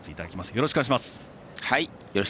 よろしくお願いします。